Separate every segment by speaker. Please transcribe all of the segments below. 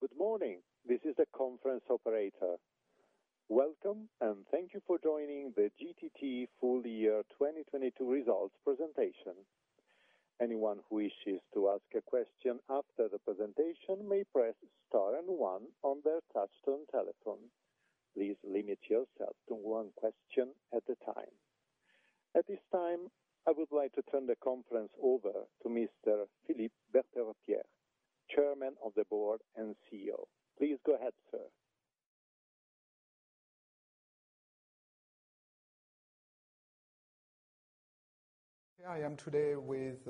Speaker 1: Good morning. This is the conference operator. Welcome, thank you for joining the GTT full year 2022 results presentation. Anyone who wishes to ask a question after the presentation may press star 1 on their touch-tone telephone. Please limit yourself to 1 question at a time. At this time, I would like to turn the conference over to Mr. Philippe Berterottière, Chairman of the Board and CEO. Please go ahead, sir.
Speaker 2: I am today with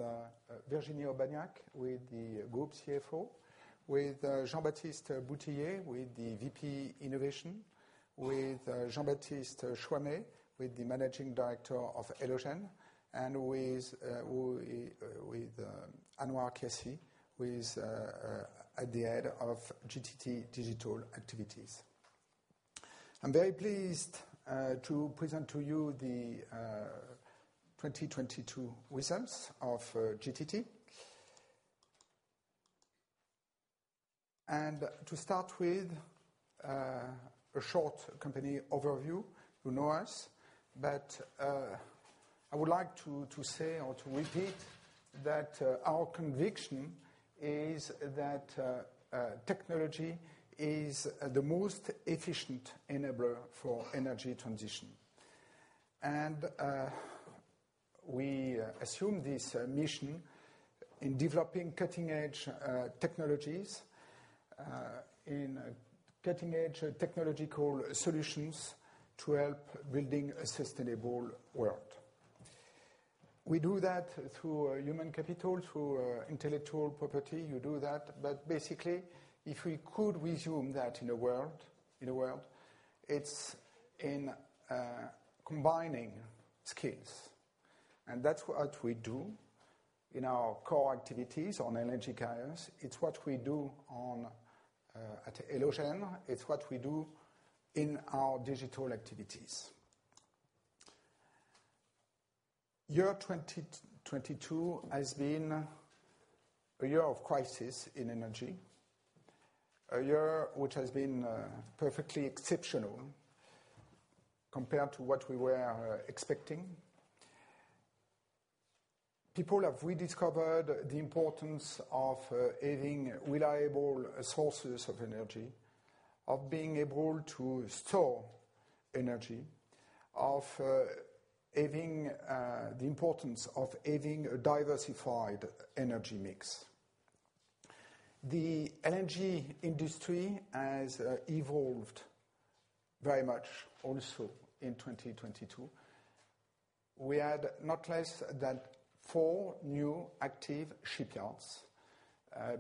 Speaker 2: Virginie Aubagnac, with the Group CFO, with Jean-Baptiste Boutillier, with the VP Innovation, with Jean-Baptiste Choimet, with the Managing Director of Elogen, and with Anouar Kassim, who is at the Head of GTT Digital Activities. I'm very pleased to present to you the 2022 results of GTT. To start with a short company overview. You know us, but I would like to say or to repeat that our conviction is that technology is the most efficient enabler for energy transition. We assume this mission in developing cutting-edge technologies in cutting-edge technological solutions to help building a sustainable world. We do that through human capital, through intellectual property. You do that, basically, if we could resume that in a word, it's in combining skills, and that's what we do in our core activities on energy carriers. It's what we do on at Elogen. It's what we do in our digital activities. Year 2022 has been a year of crisis in energy, a year which has been perfectly exceptional compared to what we were expecting. People have rediscovered the importance of having reliable sources of energy, of being able to store energy, of having the importance of having a diversified energy mix. The energy industry has evolved very much also in 2022. We had not less than 4 new active shipyards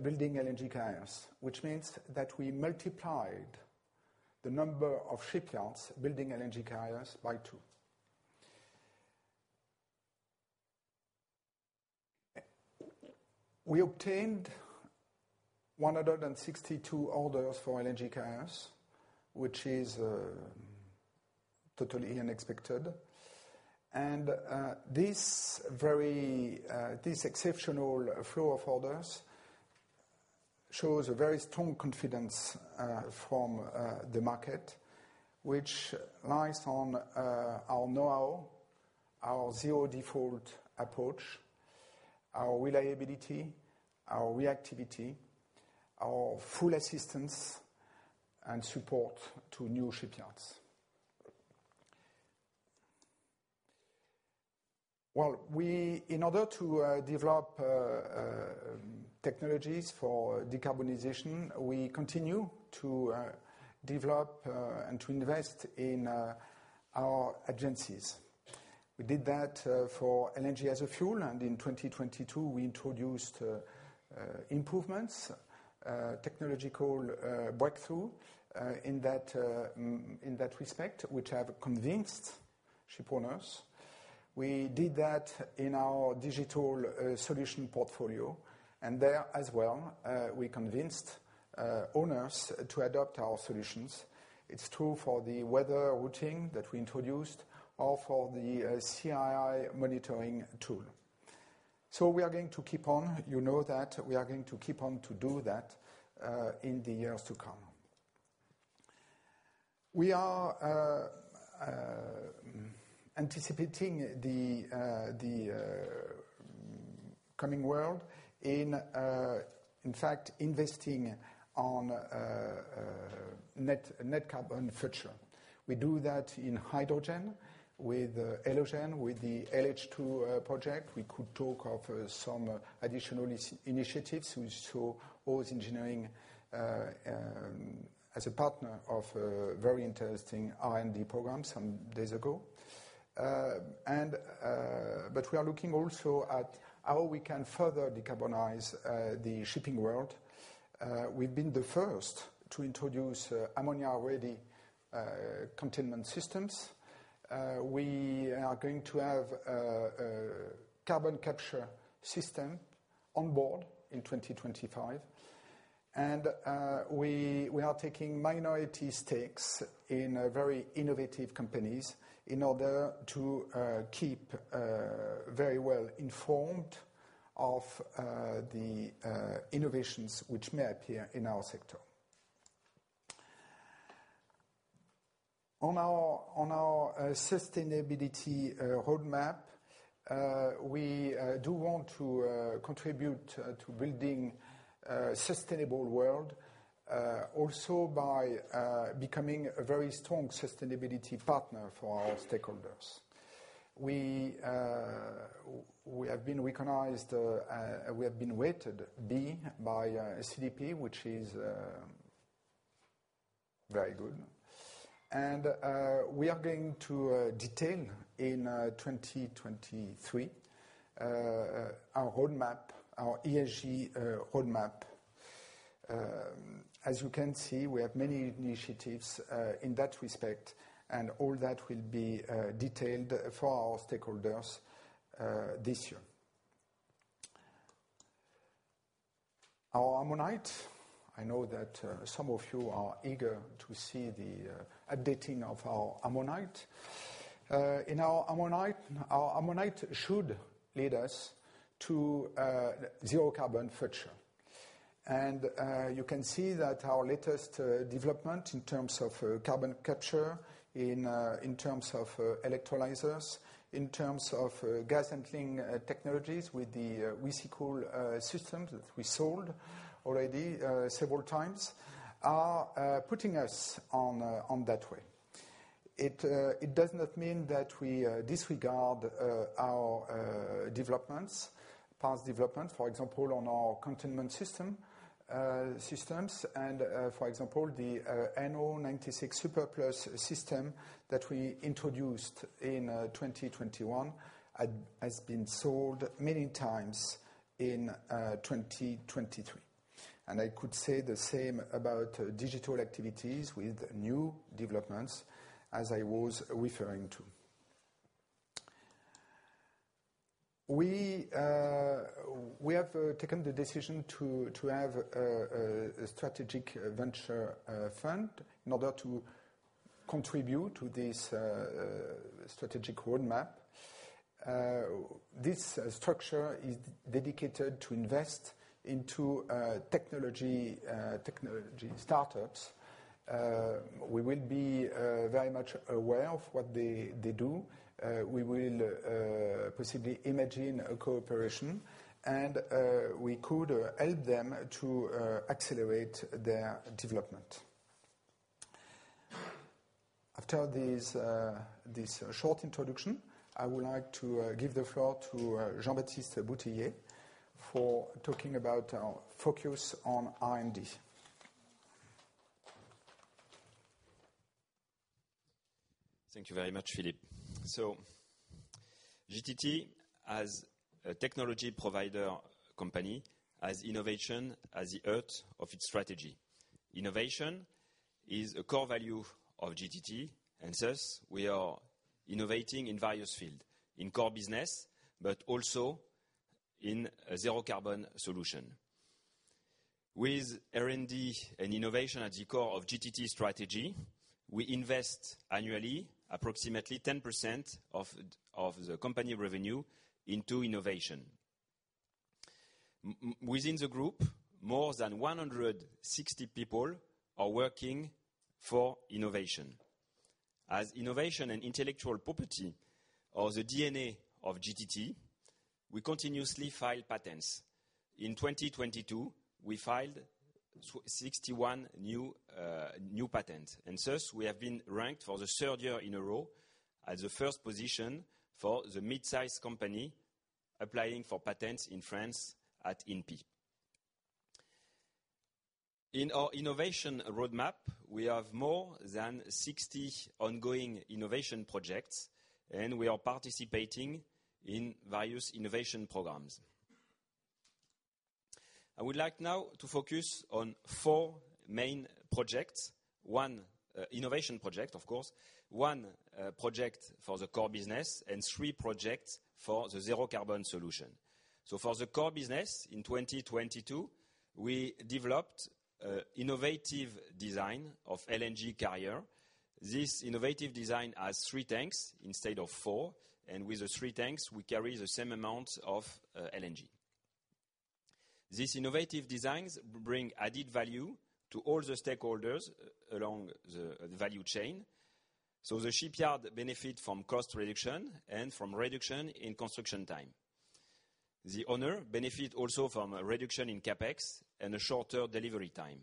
Speaker 2: building LNG carriers, which means that we multiplied the number of shipyards building LNG carriers by 2. We obtained 162 orders for LNG carriers, which is totally unexpected. This very exceptional flow of orders shows a very strong confidence from the market, which lies on our know-how, our zero default approach, our reliability, our reactivity, our full assistance and support to new shipyards. Well, in order to develop technologies for decarbonization, we continue to develop and to invest in our agencies. We did that for LNG as a fuel, and in 2022, we introduced improvements, technological breakthrough, in that respect, which have convinced shipowners. We did that in our digital solution portfolio, there as well, we convinced owners to adopt our solutions. It's true for the weather routing that we introduced or for the CII monitoring tool. We are going to keep on. You know that. We are going to keep on to do that in the years to come. We are anticipating the coming world in fact, investing on net carbon future. We do that in hydrogen with Elogen, with the LH2 project. We could talk of some additional initiatives. We saw OSE Engineering as a partner of a very interesting R&D program some days ago. We are looking also at how we can further decarbonize the shipping world. We've been the first to introduce ammonia-ready containment systems. We are going to have a carbon capture system on board in 2025. We, we are taking minority stakes in very innovative companies in order to keep very well informed of the innovations which may appear in our sector. On our, on our sustainability roadmap, we do want to contribute to building a sustainable world, also by becoming a very strong sustainability partner for our stakeholders. We, we have been recognized, we have been rated B by CDP, which is very good. We are going to detail in 2023 our roadmap, our ESG roadmap. As you can see, we have many initiatives in that respect, and all that will be detailed for our stakeholders this year. Our ammonia. I know that some of you are eager to see the updating of our road map. In our road map, our road map should lead us to zero carbon future. You can see that our latest development in terms of carbon capture, in terms of electrolyzers, in terms of gas handling technologies with the Recycool systems that we sold already several times, are putting us on on that way. It does not mean that we disregard our developments, past developments. For example, on our containment systems and, for example, the NO96 Super+ system that we introduced in 2021 has been sold many times in 2023. I could say the same about digital activities with new developments as I was referring to. We have taken the decision to have a strategic venture fund in order to contribute to this strategic roadmap. This structure is dedicated to invest into technology start-ups. We will be very much aware of what they do. We will possibly imagine a cooperation and we could help them to accelerate their development. After this short introduction, I would like to give the floor to Jean-Baptiste Boutillier for talking about our focus on R&D.
Speaker 3: Thank you very much, Philippe. GTT as a technology provider company has innovation as the heart of its strategy. Innovation is a core value of GTT, and thus, we are innovating in various field, in core business, but also in zero carbon solution. With R&D and innovation at the core of GTT strategy, we invest annually approximately 10% of the company revenue into innovation. Within the group, more than 160 people are working for innovation. As innovation and intellectual property are the DNA of GTT, we continuously file patents. In 2022, we filed 61 new patents, and thus we have been ranked for the third year in a row at the first position for the midsize company applying for patents in France at INPI. In our innovation roadmap, we have more than 60 ongoing innovation projects. We are participating in various innovation programs. I would like now to focus on 4 main projects, 1 innovation project, of course, 1 project for the core business and 3 projects for the zero carbon solution. For the core business in 2022, we developed innovative design of LNG carrier. This innovative design has 3 tanks instead of 4, and with the 3 tanks, we carry the same amount of LNG. These innovative designs bring added value to all the stakeholders along the value chain. The shipyard benefit from cost reduction and from reduction in construction time. The owner benefit also from a reduction in CapEx and a shorter delivery time.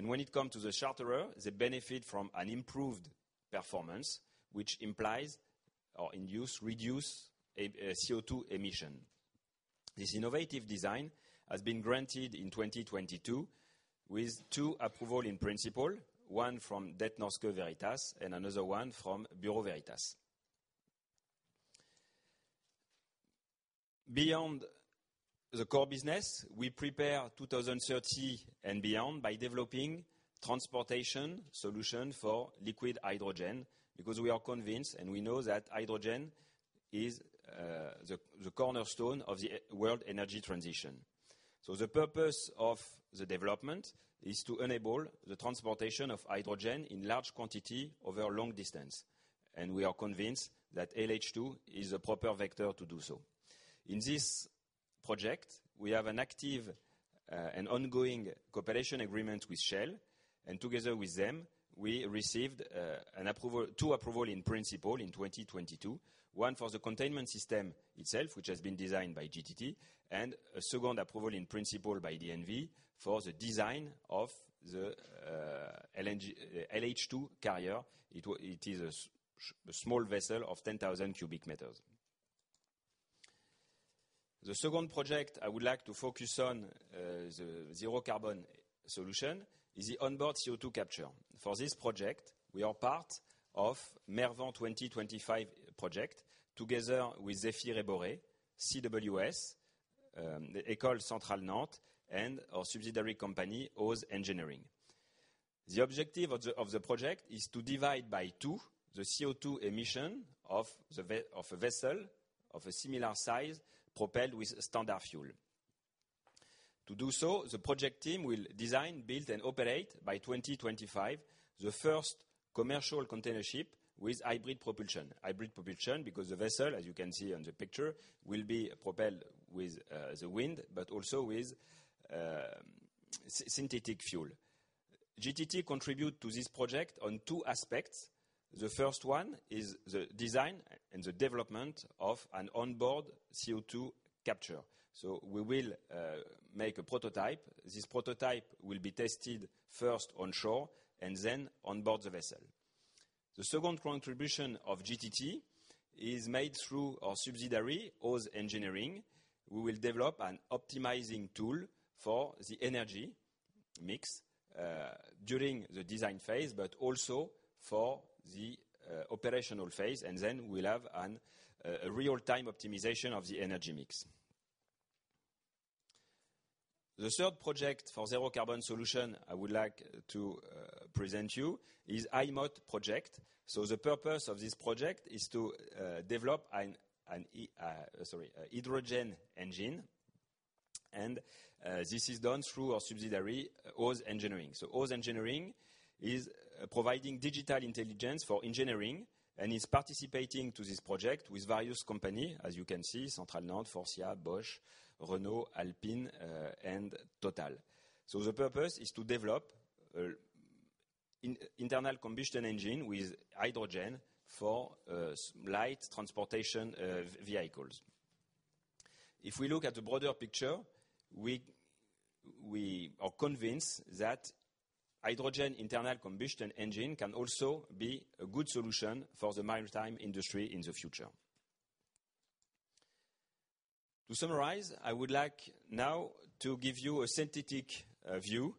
Speaker 3: When it comes to the charterer, they benefit from an improved performance, which implies or induce reduce, CO2 emission. This innovative design has been granted in 2022 with 2 Approval in Principle. One from Det Norske Veritas and another one from Bureau Veritas. Beyond the core business, we prepare 2030 and beyond by developing transportation solution for liquid hydrogen because we are convinced and we know that hydrogen is the cornerstone of the world energy transition. The purpose of the development is to enable the transportation of hydrogen in large quantity over long distance, and we are convinced that LH2 is a proper vector to do so. In this project, we have an active and ongoing cooperation agreement with Shell, and together with them, we received 2 Approval in Principle in 2022. One for the containment system itself, which has been designed by GTT, and a second Approval in Principle by DNV for the design of the LNG LH2 carrier. It is a small vessel of 10,000 cubic meters. The second project I would like to focus on the zero-carbon solution, is the onboard CO2 capture. For this project, we are part of MerVent 2025 project together with Zéphyr & Borée, CWS, the École Centrale Nantes, and our subsidiary company, OSE Engineering. The objective of the project is to divide by 2 the CO2 emission of a vessel of a similar size propelled with standard fuel. To do so, the project team will design, build, and operate by 2025 the first commercial container ship with hybrid propulsion. Hybrid propulsion because the vessel, as you can see on the picture, will be propelled with the wind, but also with synthetic fuel. GTT contribute to this project on two aspects. The first one is the design and the development of an onboard CO2 capture. We will make a prototype. This prototype will be tested first onshore and then onboard the vessel. The second contribution of GTT is made through our subsidiary, OSE Engineering. We will develop an optimizing tool for the energy mix during the design phase, but also for the operational phase, we'll have a real-time optimization of the energy mix. The third project for zero-carbon solution I would like to present you is HiMot project. The purpose of this project is to develop a hydrogen engine and this is done through our subsidiary, OSE Engineering. OSE Engineering is providing digital intelligence for engineering and is participating to this project with various company, as you can see, Centrale Nantes, Faurecia, Bosch, Renault, Alpine, and TotalEnergies. The purpose is to develop an internal combustion engine with hydrogen for light transportation vehicles. If we look at the broader picture, we are convinced that hydrogen internal combustion engine can also be a good solution for the maritime industry in the future. To summarize, I would like now to give you a synthetic view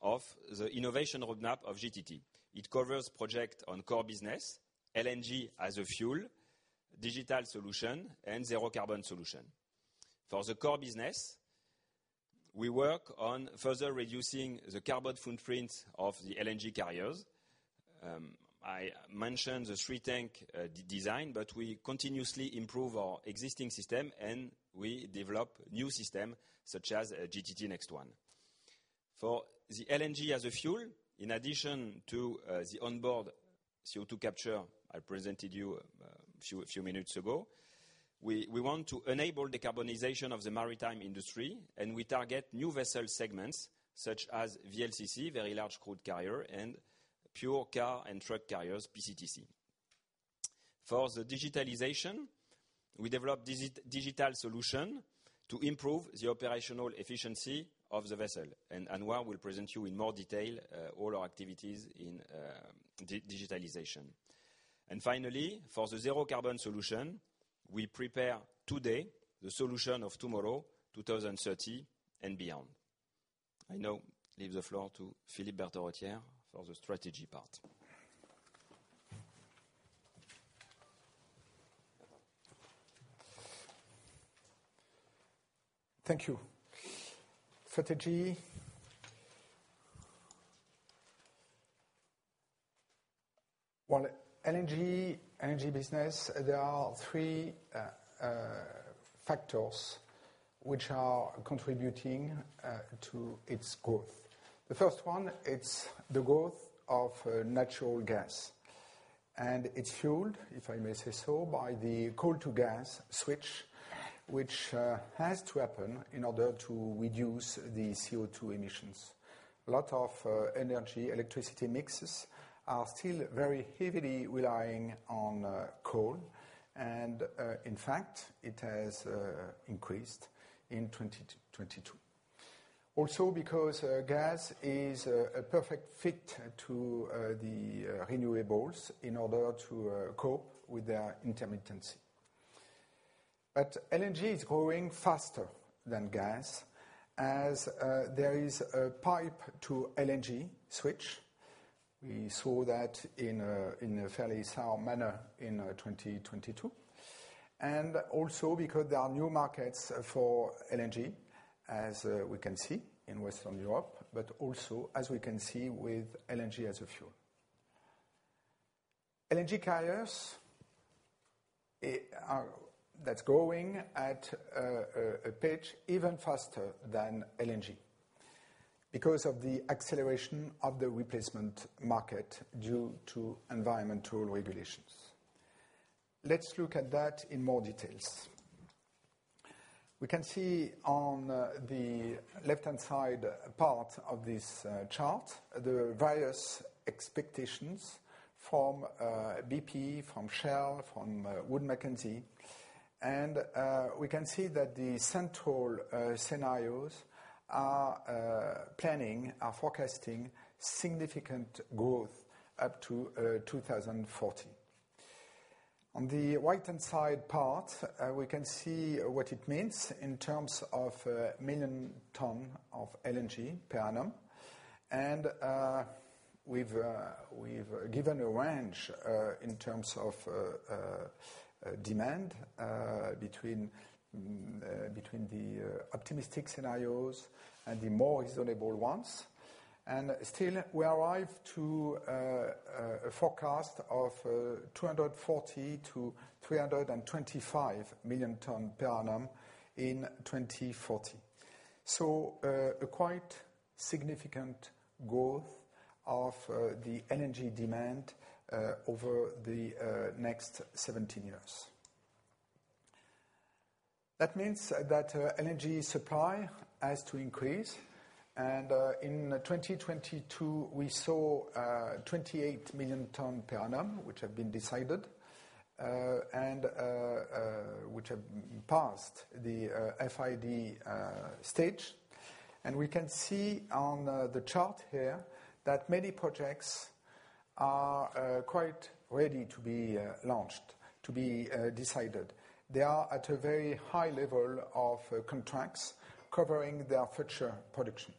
Speaker 3: of the innovation roadmap of GTT. It covers project on core business, LNG as a fuel, digital solution, and zero-carbon solution. For the core business, we work on further reducing the carbon footprint of the LNG carriers. I mentioned the 3 tank design. We continuously improve our existing system, and we develop new system such as GTT NEXT1. For the LNG as a fuel, in addition to the onboard CO2 capture I presented you a few minutes ago, we want to enable decarbonization of the maritime industry. We target new vessel segments such as VLCC, very large crude carrier, and pure car and truck carriers, PCTC. For the digitalization, we develop digital solution to improve the operational efficiency of the vessel. Anouar will present you in more detail all our activities in digitalization. Finally, for the zero-carbon solution, we prepare today the solution of tomorrow, 2030 and beyond. I now leave the floor to Philippe Berterottière for the strategy part.
Speaker 2: Thank you. Strategy. Well, LNG business, there are three factors which are contributing to its growth. The first one, it's the growth of natural gas and it's fueled, if I may say so, by the coal to gas switch, which has to happen in order to reduce the CO2 emissions. A lot of energy electricity mixes are still very heavily relying on coal and, in fact, it has increased in 2022. Also because gas is a perfect fit to the renewables in order to cope with their intermittency. LNG is growing faster than gas as there is a pipe to LNG switch. We saw that in a fairly sour manner in 2022. Also because there are new markets for LNG, as we can see in Western Europe, but also as we can see with LNG as a fuel. LNG carriers, that's growing at a page even faster than LNG because of the acceleration of the replacement market due to environmental regulations. Let's look at that in more details. We can see on the left-hand side part of this chart, the various expectations from BP, from Shell, from Wood Mackenzie. We can see that the central scenarios are planning, are forecasting significant growth up to 2040. On the right-hand side part, we can see what it means in terms of million ton of LNG per annum. We've given a range in terms of demand between the optimistic scenarios and the more reasonable ones. Still we arrive to a forecast of 240 million ton per annum-325 million ton per annum in 2040. A quite significant growth of the LNG demand over the next 17 years. That means that LNG supply has to increase. In 2022, we saw 28 million ton per annum, which have been decided and which have passed the FID stage. We can see on the chart here that many projects are quite ready to be launched, to be decided. They are at a very high level of contracts covering their future production.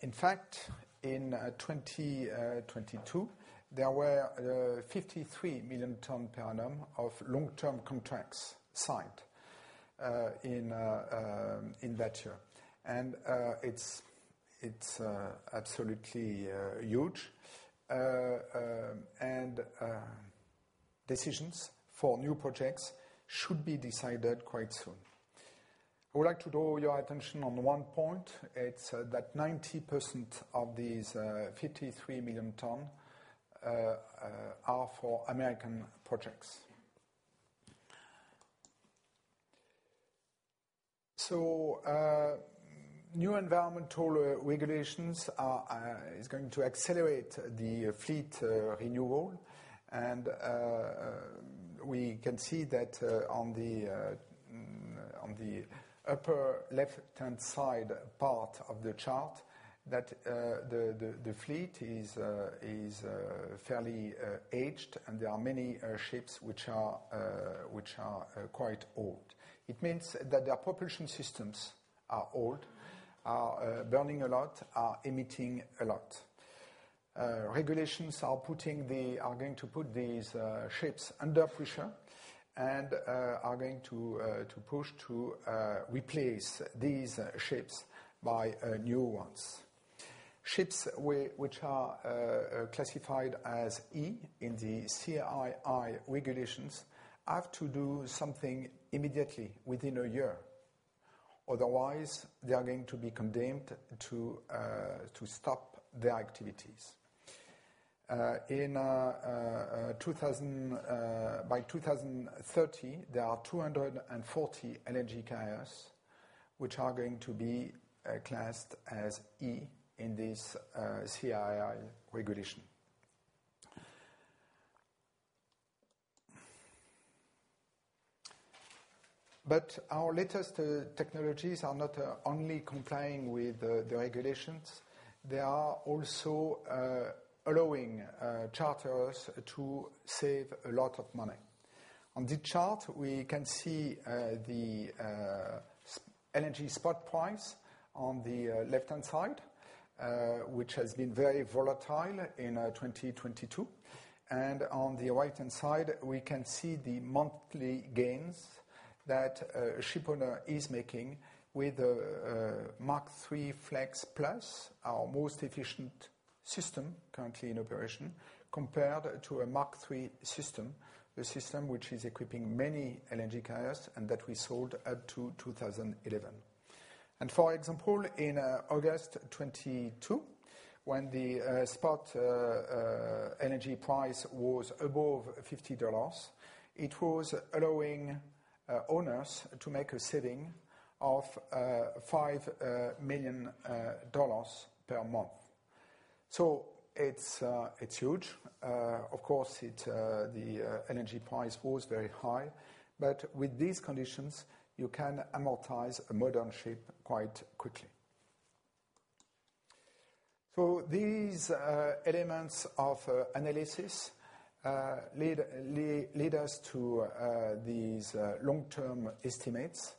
Speaker 2: In fact, in 2022, there were 53 million ton per annum of long-term contracts signed in that year. It's absolutely huge. Decisions for new projects should be decided quite soon. I would like to draw your attention on 1 point, it's that 90% of these 53 million ton are for American projects. New environmental regulations are going to accelerate the fleet renewal. We can see that on the upper left-hand side part of the chart that the fleet is fairly aged, and there are many ships which are quite old. It means that their propulsion systems are old, are burning a lot, are emitting a lot. Regulations are going to put these ships under pressure and are going to push to replace these ships by new ones. Ships which are classified as E in the CII regulations have to do something immediately within a year. Otherwise, they are going to be condemned to stop their activities. In 2030, there are 240 LNG carriers which are going to be classed as E in this CII regulation. Our latest technologies are not only complying with the regulations. They are also allowing charters to save a lot of money. On this chart, we can see the LNG spot price on the left-hand side, which has been very volatile in 2022. On the right-hand side, we can see the monthly gains that a shipowner is making with a Mark III Flex+, our most efficient system currently in operation, compared to a Mark III system, the system which is equipping many LNG carriers and that we sold up to 2011. For example, in August 2022, when the spot LNG price was above $50, it was allowing owners to make a saving of $5 million per month. It's huge. Of course, the LNG price was very high, but with these conditions, you can amortize a modern ship quite quickly. These elements of analysis lead us to these long-term estimates.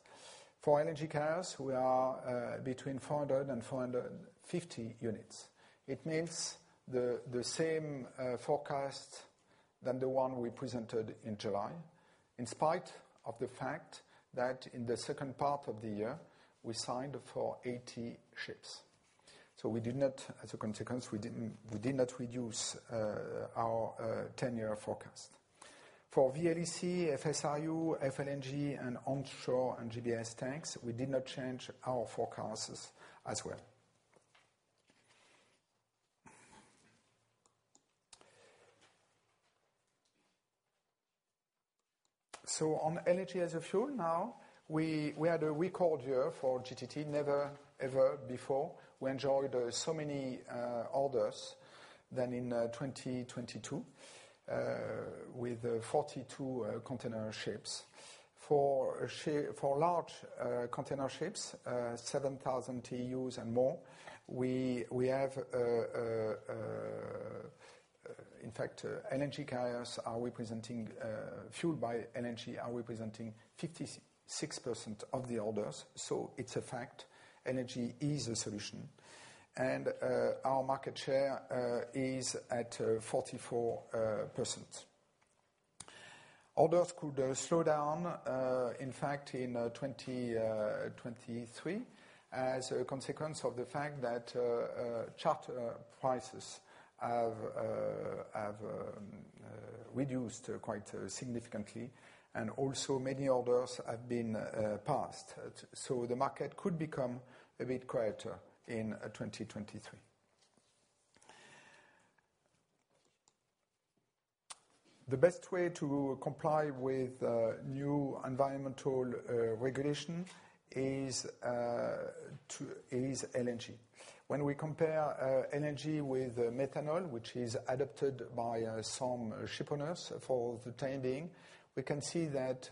Speaker 2: For LNG carriers, we are between 400 and 450 units. It means the same forecast than the one we presented in July, in spite of the fact that in the second part of the year, we signed for 80 ships. We did not reduce our 10-year forecast. For VLEC, FSRU, FLNG, and onshore and GBS tanks, we did not change our forecasts as well. On LNG as a fuel now, we had a record year for GTT. Never, ever before we enjoyed so many orders than in 2022, with 42 container ships. For large container ships, 7,000 TEUs and more, we have, in fact, LNG carriers fueled by LNG are representing 56% of the orders. It's a fact, LNG is a solution. Our market share is at 44%. Orders could slow down in fact in 2023 as a consequence of the fact that charter prices have reduced quite significantly, also many orders have been passed. The market could become a bit quieter in 2023. The best way to comply with new environmental regulation is LNG. When we compare LNG with methanol, which is adopted by some ship owners for the time being, we can see that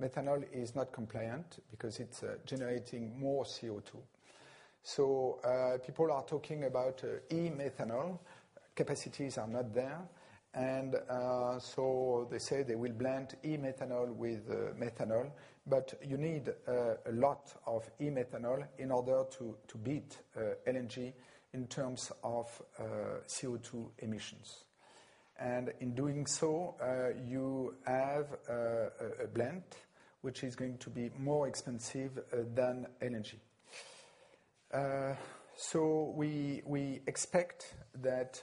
Speaker 2: methanol is not compliant because it's generating more CO2. People are talking about e-methanol. Capacities are not there. They say they will blend e-methanol with methanol, but you need a lot of e-methanol in order to beat LNG in terms of CO2 emissions. In doing so, you have a blend which is going to be more expensive than LNG. We expect that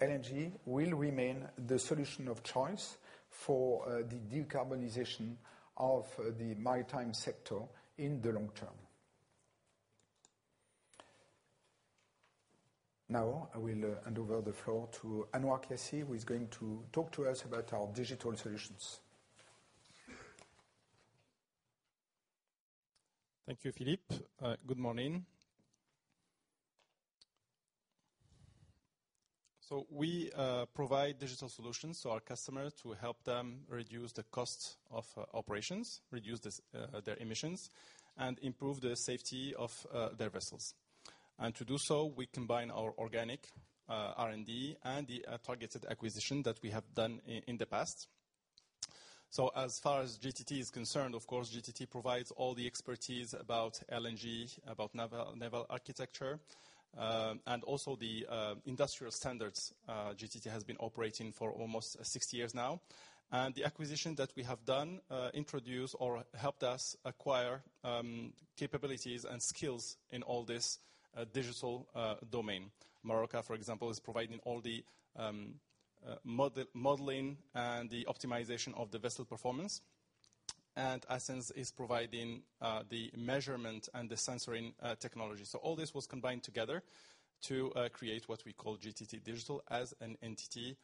Speaker 2: LNG will remain the solution of choice for the decarbonization of the maritime sector in the long term. I will hand over the floor to Anouar Kassim, who is going to talk to us about our digital solutions.
Speaker 4: Thank you, Philippe. Good morning. We provide digital solutions to our customers to help them reduce the cost of operations, reduce their emissions, and improve the safety of their vessels. To do so, we combine our organic R&D and the targeted acquisition that we have done in the past. As far as GTT is concerned, of course, GTT provides all the expertise about LNG, about naval architecture, and also the industrial standards, GTT has been operating for almost 60 years now. The acquisition that we have done introduced or helped us acquire capabilities and skills in all this digital domain. Marorka, for example, is providing all the modeling and the optimization of the vessel performance. Ascenz is providing the measurement and the sensoring technology. All this was combined together to create what we call GTT Digital as an entity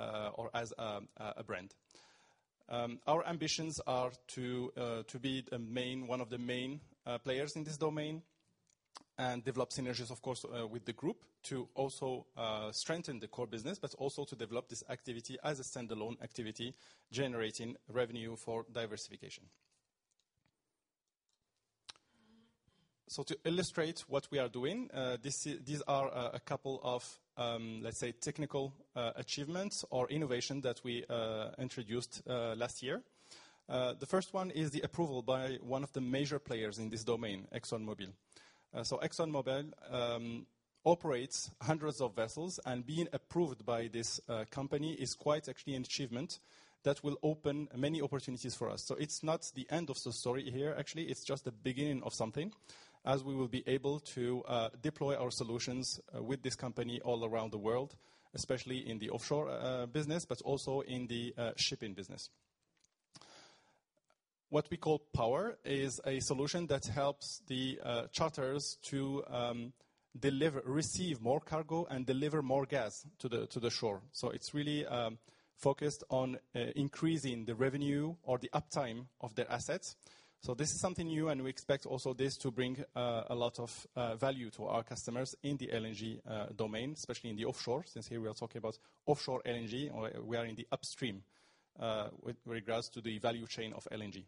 Speaker 4: or as a brand. Our ambitions are to be one of the main players in this domain and develop synergies, of course, with the group to also strengthen the core business, but also to develop this activity as a standalone activity, generating revenue for diversification. To illustrate what we are doing, these are a couple of, let's say technical, achievements or innovation that we introduced last year. The first one is the approval by one of the major players in this domain, ExxonMobil. ExxonMobil operates hundreds of vessels, and being approved by this company is quite actually an achievement that will open many opportunities for us. It's not the end of the story here. Actually, it's just the beginning of something, as we will be able to deploy our solutions with this company all around the world, especially in the offshore business, but also in the shipping business. What we call Power is a solution that helps the charters to deliver, receive more cargo and deliver more gas to the shore. It's really focused on increasing the revenue or the uptime of their assets. This is something new and we expect also this to bring a lot of value to our customers in the LNG domain, especially in the offshore, since here we are talking about offshore LNG or we are in the upstream with regards to the value chain of LNG.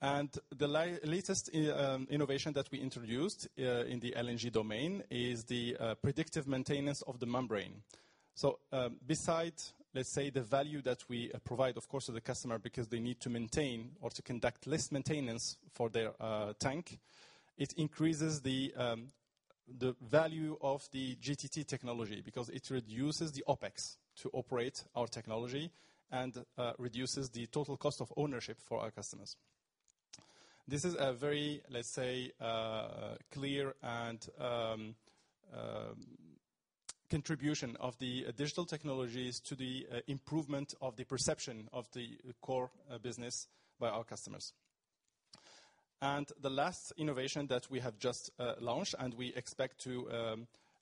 Speaker 4: The latest innovation that we introduced in the LNG domain is the predictive maintenance of the membrane. Besides, let's say, the value that we provide, of course, to the customer because they need to maintain or to conduct less maintenance for their tank, it increases the value of the GTT technology because it reduces the OpEx to operate our technology and reduces the total cost of ownership for our customers. This is a very, let's say, clear and contribution of the digital technologies to the improvement of the perception of the core business by our customers. The last innovation that we have just launched, and we expect to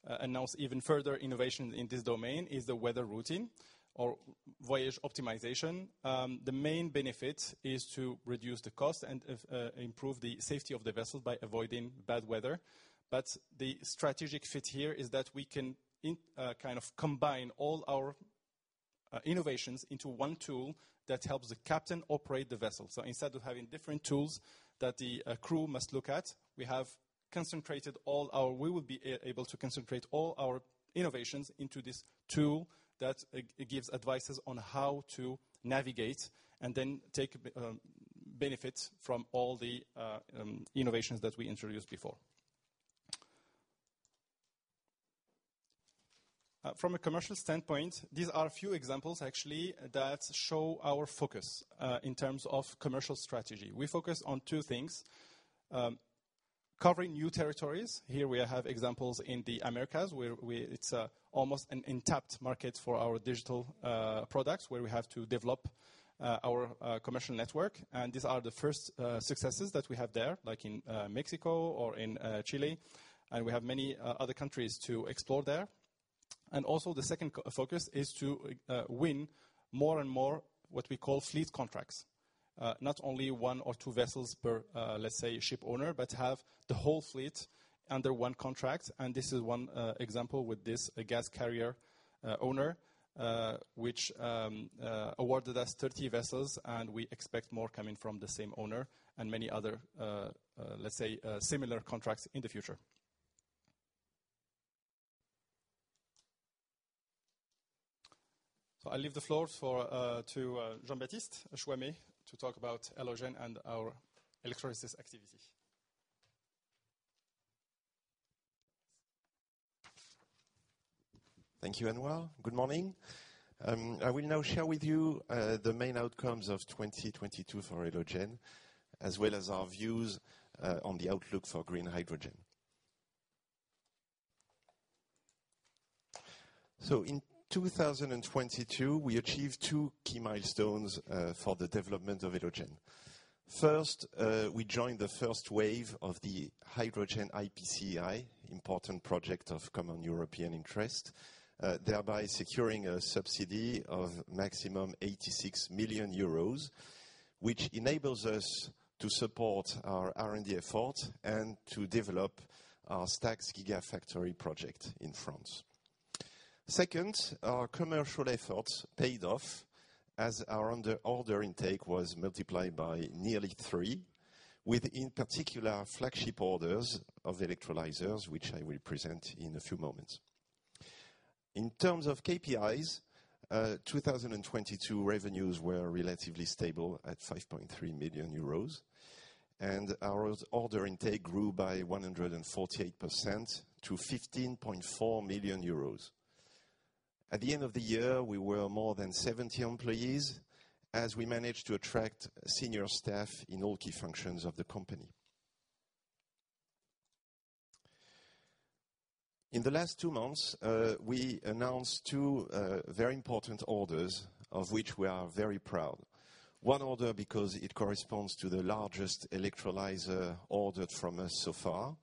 Speaker 4: announce even further innovation in this domain is the weather routing or voyage optimization. The main benefit is to reduce the cost and improve the safety of the vessel by avoiding bad weather. The strategic fit here is that we can kind of combine all our innovations into one tool that helps the captain operate the vessel. Instead of having different tools that the crew must look at, we will be able to concentrate all our innovations into this tool that gives advices on how to navigate and then take benefits from all the innovations that we introduced before. From a commercial standpoint, these are a few examples actually that show our focus in terms of commercial strategy. We focus on two things, covering new territories. Here we have examples in the Americas, where it's almost an untapped market for our digital products, where we have to develop our commercial network. These are the first successes that we have there, like in Mexico or in Chile, and we have many other countries to explore there. Also the second focus is to win more and more what we call fleet contracts. Not only one or two vessels per let's say ship owner, but have the whole fleet under one contract. This is one example with this gas carrier owner which awarded us 30 vessels, and we expect more coming from the same owner and many other let's say similar contracts in the future. I leave the floor for, to, Jean-Baptiste Choimet to talk about Elogen and our electrolysis activity.
Speaker 5: Thank you, Anouar. Good morning. I will now share with you the main outcomes of 2022 for Elogen, as well as our views on the outlook for green hydrogen. In 2022, we achieved 2 key milestones for the development of Elogen. First, we joined the first wave of the Hydrogen IPCEI, Important Project of Common European Interest, thereby securing a subsidy of maximum 86 million euros, which enables us to support our R&D efforts and to develop our stacks Gigafactory project in France. Second, our commercial efforts paid off as our order intake was multiplied by nearly 3, with in particular flagship orders of electrolyzers, which I will present in a few moments. In terms of KPIs, 2022 revenues were relatively stable at 5.3 million euros. Our order intake grew by 148% to 15.4 million euros. At the end of the year, we were more than 70 employees as we managed to attract senior staff in all key functions of the company. In the last 2 months, we announced 2 very important orders of which we are very proud. One order because it corresponds to the largest electrolyzer ordered from us so far.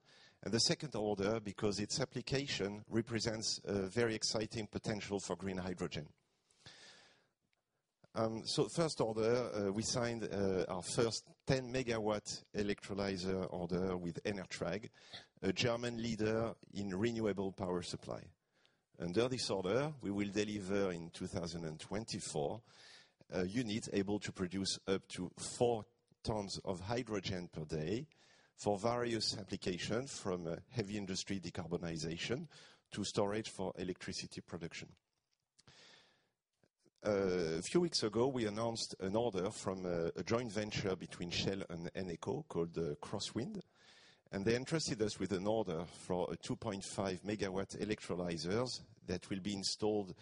Speaker 5: The second order because its application represents a very exciting potential for green hydrogen. First order, we signed our first 10 megawatt electrolyzer order with ENERTRAG, a German leader in renewable power supply. Under this order, we will deliver in 2024, a unit able to produce up to 4 tons of hydrogen per day for various applications from heavy industry decarbonization to storage for electricity production. A few weeks ago, we announced an order from a joint venture between Shell and Eneco called CrossWind, they entrusted us with an order for a 2.5 megawatt electrolyzers that will be installed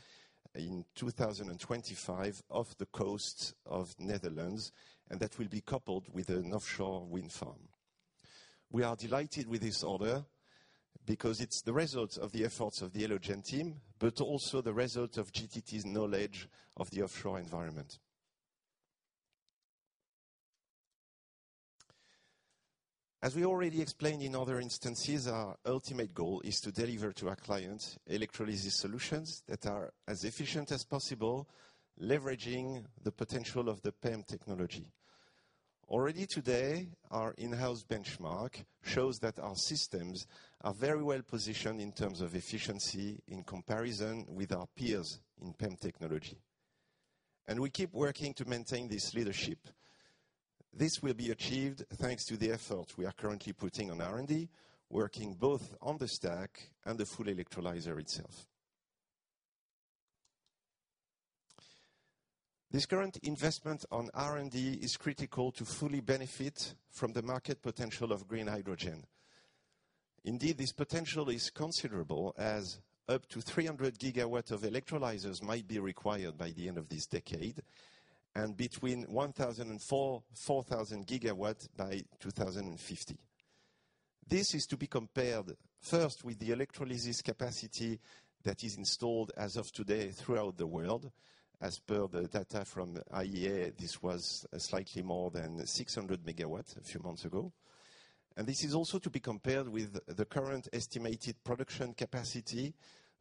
Speaker 5: in 2025 off the coast of Netherlands, and that will be coupled with an offshore wind farm. We are delighted with this order because it's the result of the efforts of the Elogen team, but also the result of GTT's knowledge of the offshore environment. As we already explained in other instances, our ultimate goal is to deliver to our clients electrolysis solutions that are as efficient as possible, leveraging the potential of the PEM technology. Already today, our in-house benchmark shows that our systems are very well-positioned in terms of efficiency in comparison with our peers in PEM technology. We keep working to maintain this leadership. This will be achieved thanks to the effort we are currently putting on R&D, working both on the stack and the full electrolyzer itself. This current investment on R&D is critical to fully benefit from the market potential of green hydrogen. Indeed, this potential is considerable as up to 300 gigawatts of electrolyzers might be required by the end of this decade, and between 1,000 and 4,000 gigawatts by 2050. This is to be compared first with the electrolysis capacity that is installed as of today throughout the world. As per the data from IEA, this was slightly more than 600 megawatts a few months ago. This is also to be compared with the current estimated production capacity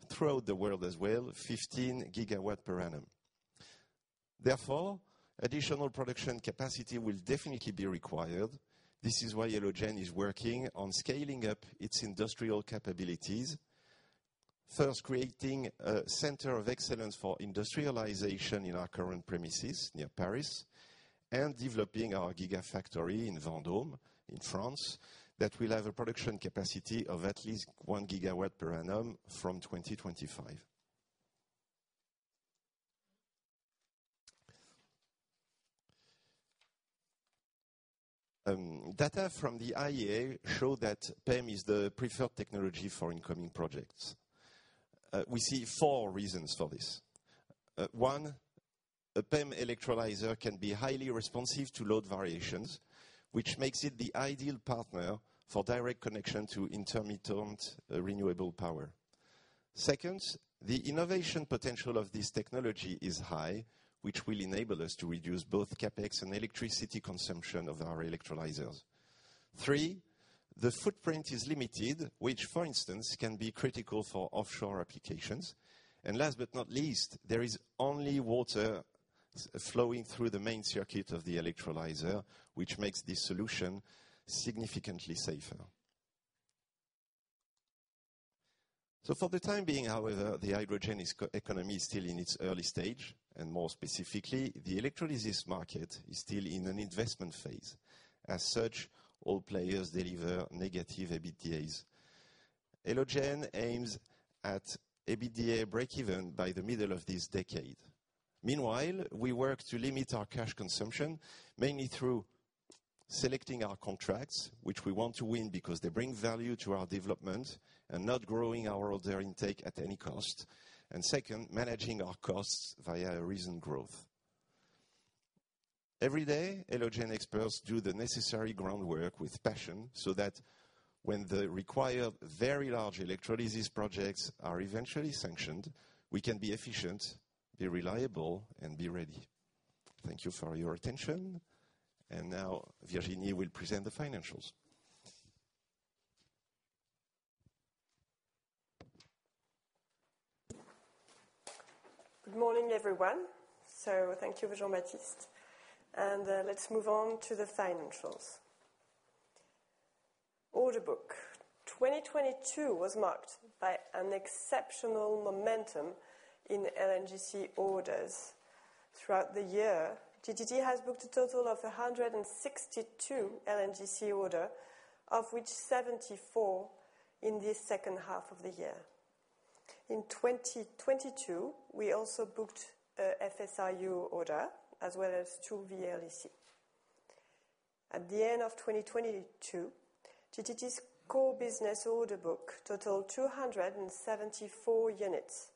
Speaker 5: throughout the world as well, 15 gigawatt per annum. Therefore, additional production capacity will definitely be required. This is why Elogen is working on scaling up its industrial capabilities, first creating a center of excellence for industrialization in our current premises near Paris, and developing our gigafactory in Vendôme in France that will have a production capacity of at least 1 gigawatt per annum from 2025. Data from the IEA show that PEM is the preferred technology for incoming projects. We see four reasons for this. 1, a PEM electrolyzer can be highly responsive to load variations, which makes it the ideal partner for direct connection to intermittent renewable power. 2, the innovation potential of this technology is high, which will enable us to reduce both CapEx and electricity consumption of our electrolyzers. 3, the footprint is limited, which for instance can be critical for offshore applications. Last but not least, there is only water flowing through the main circuit of the electrolyzer, which makes this solution significantly safer. For the time being, however, the hydrogen economy is still in its early stage, and more specifically, the electrolysis market is still in an investment phase. As such, all players deliver negative EBITDAs. Elogen aims at EBITDA breakeven by the middle of this decade. Meanwhile, we work to limit our cash consumption, mainly through selecting our contracts, which we want to win because they bring value to our development and not growing our order intake at any cost. Second, managing our costs via a reasoned growth. Every day, Elogen experts do the necessary groundwork with passion so that when the required very large electrolysis projects are eventually sanctioned, we can be efficient, be reliable, and be ready. Thank you for your attention. Now Virginie will present the financials.
Speaker 6: Good morning, everyone. Thank you, Jean-Baptiste, and let's move on to the financials. Order book. 2022 was marked by an exceptional momentum in LNGC orders. Throughout the year, GTT has booked a total of 162 LNGC order, of which 74 in the second half of the year. In 2022, we also booked a FSRU order, as well as two VLEC. At the end of 2022, GTT's core business order book totaled 274 units.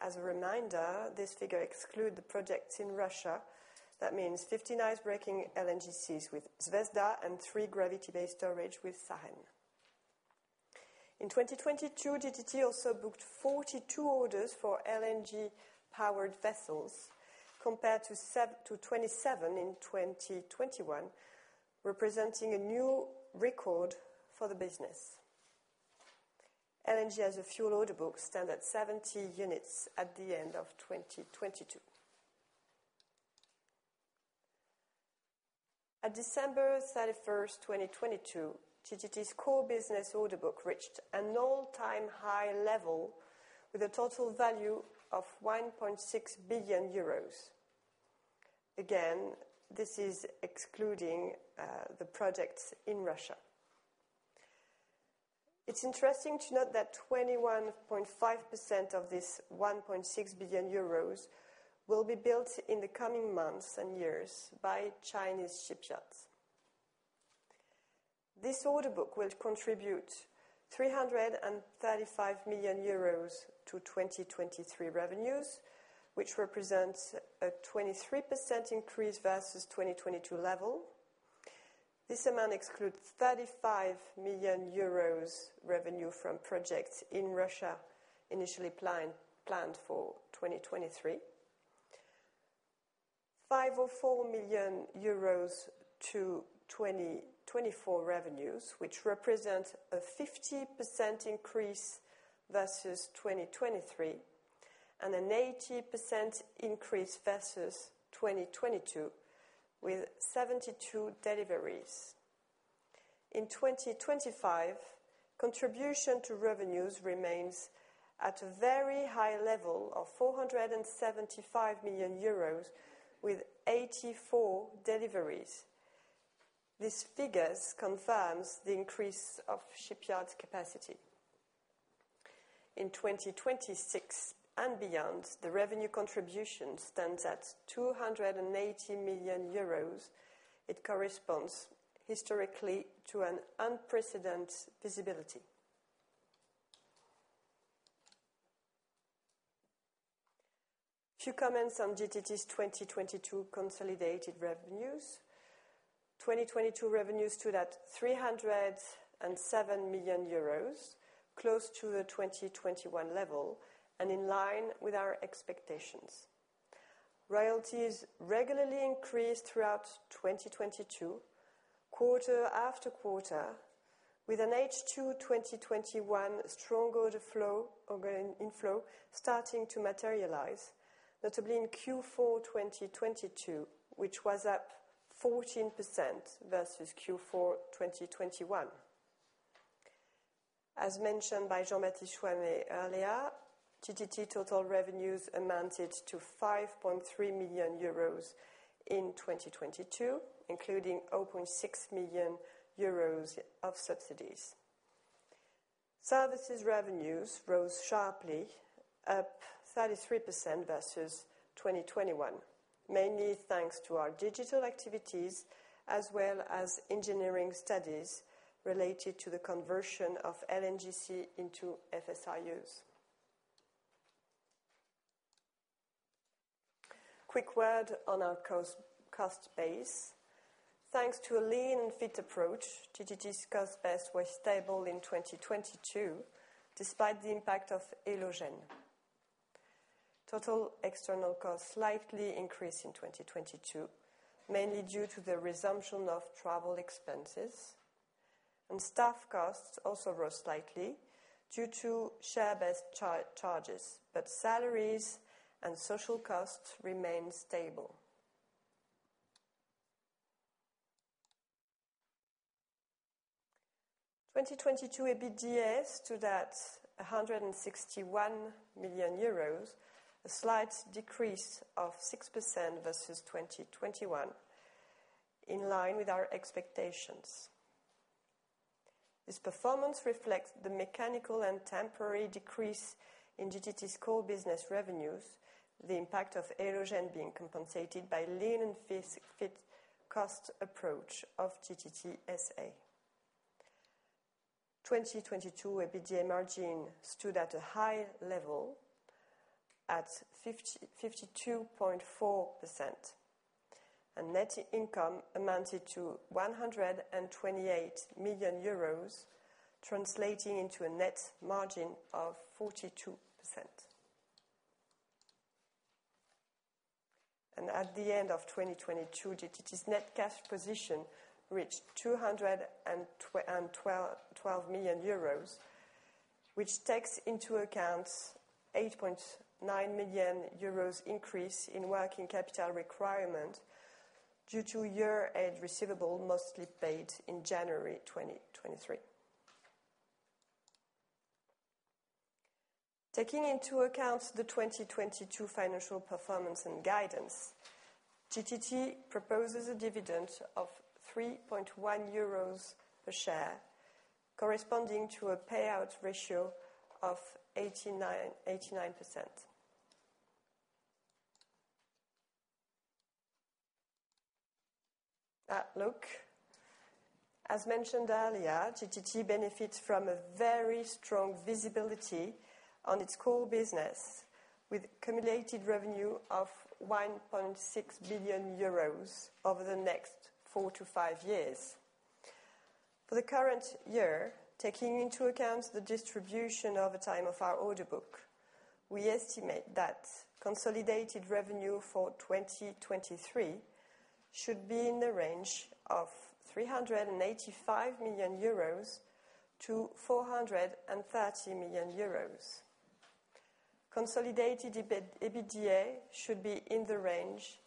Speaker 6: As a reminder, this figure exclude the projects in Russia. That means 59 ice-breaking LNGCs with Zvezda and 3 gravity-based storage with Saren. In 2022, GTT also booked 42 orders for LNG powered vessels, compared to 27 in 2021, representing a new record for the business. LNG as a fuel order book stand at 70 units at the end of 2022. At December 31, 2022, GTT's core business order book reached an all-time high level with a total value of 1.6 billion euros. This is excluding the projects in Russia. It's interesting to note that 21.5% of this 1.6 billion euros will be built in the coming months and years by Chinese shipyards. This order book will contribute 335 million euros to 2023 revenues, which represents a 23% increase versus 2022 level. This amount excludes 35 million euros revenue from projects in Russia, initially planned for 2023. 5 or 4 million euros to 2024 revenues, which represent a 50% increase versus 2023, and an 80% increase versus 2022 with 72 deliveries. In 2025, contribution to revenues remains at a very high level of 475 million euros with 84 deliveries. These figures confirms the increase of shipyards capacity. In 2026 and beyond, the revenue contribution stands at 280 million euros. It corresponds historically to an unprecedented visibility. Few comments on GTT's 2022 consolidated revenues. 2022 revenues stood at 307 million euros, close to the 2021 level, and in line with our expectations. Royalties regularly increased throughout 2022, quarter after quarter, with an H2 2021 stronger the flow, or an inflow, starting to materialize, notably in Q4 2022, which was up 14% versus Q4 2021. As mentioned by Jean-Baptiste Choimet earlier, GTT total revenues amounted to 5.3 million euros in 2022, including 0.6 million euros of subsidies. Services revenues rose sharply, up 33% versus 2021, mainly thanks to our digital activities as well as engineering studies related to the conversion of LNGC into FSRUs. Quick word on our cost base. Thanks to a lean and fit approach, GTT's cost base was stable in 2022, despite the impact of Elogen. Total external costs slightly increased in 2022, mainly due to the resumption of travel expenses. Staff costs also rose slightly due to share-based charges, but salaries and social costs remained stable. 2022 EBITDA stood at 161 million euros, a slight decrease of 6% versus 2021, in line with our expectations. This performance reflects the mechanical and temporary decrease in GTT's core business revenues, the impact of Elogen being compensated by lean and fit cost approach of GTT SA. 2022, EBITDA margin stood at a high level at 52.4%. Net income amounted to 128 million euros, translating into a net margin of 42%. At the end of 2022, GTT's net cash position reached 212 million euros, which takes into account 8.9 million euros increase in working capital requirement due to year-end receivable mostly paid in January 2023. Taking into account the 2022 financial performance and guidance, GTT proposes a dividend of 3.1 euros per share, corresponding to a payout ratio of 89%. Outlook. As mentioned earlier, GTT benefits from a very strong visibility on its core business, with cumulative revenue of 1.6 billion euros over the next 4-5 years. For the current year, taking into account the distribution over time of our order book, we estimate that consolidated revenue for 2023 should be in the range of 385 million-430 million euros. Consolidated EBITDA should be in the range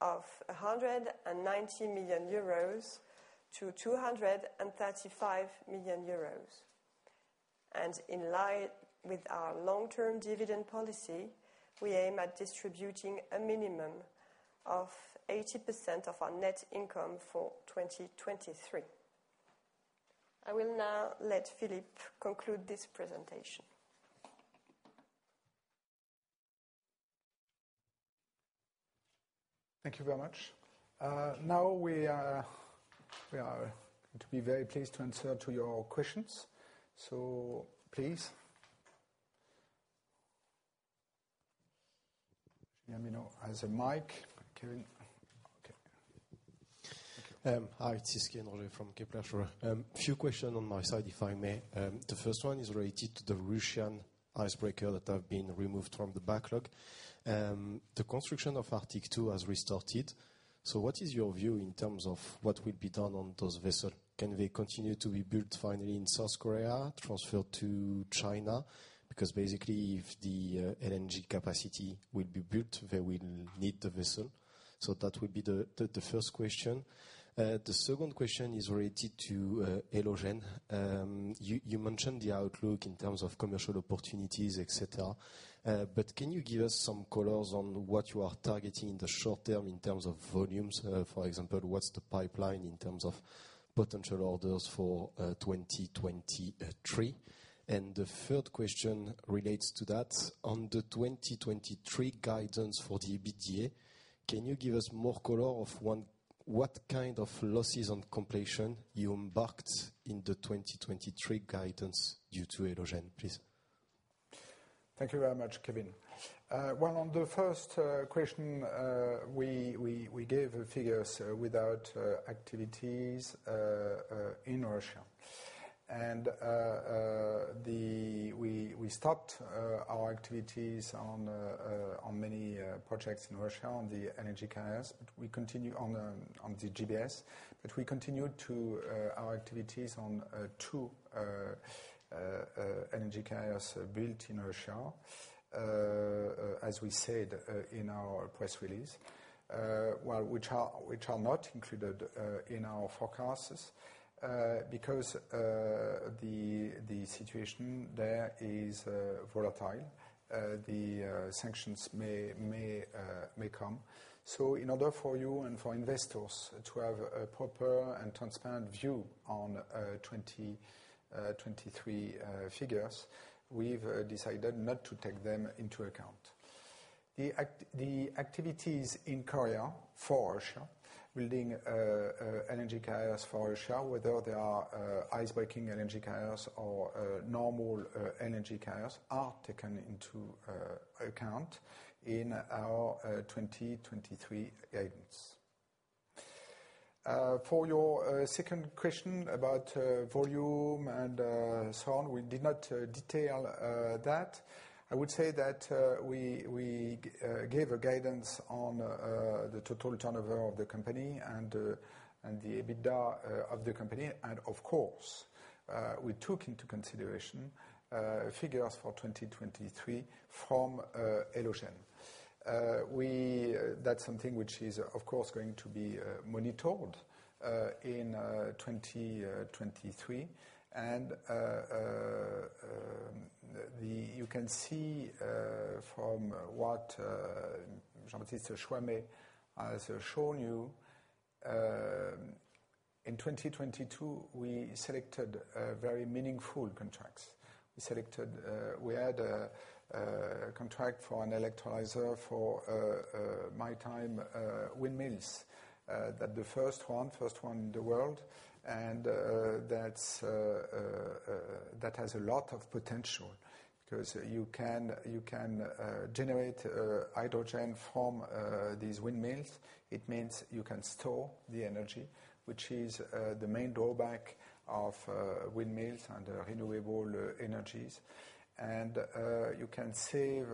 Speaker 6: of 190 million-235 million euros. In line with our long-term dividend policy, we aim at distributing a minimum of 80% of our net income for 2023. I will now let Philippe conclude this presentation.
Speaker 7: Thank you very much. Now we are going to be very pleased to answer to your questions. Please. Let me know as a mic. Kevin. Okay.
Speaker 8: Hi, it's Kevin Roger from Kepler. Few questions on my side, if I may. The first one is related to the Russian icebreaker that have been removed from the backlog. The construction of Arctic Two has restarted. What is your view in terms of what will be done on those vessels? Can they continue to be built finally in South Korea, transferred to China? Because basically, if the LNG capacity will be built, they will need the vessel That would be the first question. The second question is related to Elogen. You mentioned the outlook in terms of commercial opportunities, et cetera. Can you give us some colors on what you are targeting in the short term in terms of volumes? For example, what's the pipeline in terms of potential orders for 2023? The third question relates to that. On the 2023 guidance for the EBITDA, can you give us more color of, 1, what kind of losses on completion you embarked in the 2023 guidance due to Elogen, please?
Speaker 2: Thank you very much, Kevin. Well, on the first question, we gave figures without activities in Russia. We stopped our activities on many projects in Russia on the energy carriers, but we continue on the GBS. We continue our activities on two energy carriers built in Russia, as we said in our press release, well, which are not included in our forecasts, because the situation there is volatile. The sanctions may come. In order for you and for investors to have a proper and transparent view on 2023 figures, we've decided not to take them into account. The activities in Korea for Russia, building energy carriers for Russia, whether they are icebreaking energy carriers or normal energy carriers, are taken into account in our 2023 guidance. For your second question about volume and so on, we did not detail that. I would say that we gave a guidance on the total turnover of the company and the EBITDA of the company. Of course, we took into consideration figures for 2023 from Elogen. That's something which is, of course, going to be monitored in 2023. You can see from what Jean-Baptiste Choimet has shown you, in 2022, we selected very meaningful contracts. We selected, we had a contract for an electrolyzer for maritime windmills. That the first one in the world. That has a lot of potential because you can generate hydrogen from these windmills. It means you can store the energy, which is the main drawback of windmills and renewable energies. You can save